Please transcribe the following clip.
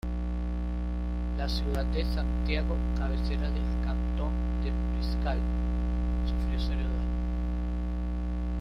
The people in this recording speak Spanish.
La ciudad de Santiago, cabecera del cantón de Puriscal, sufrió serios daños.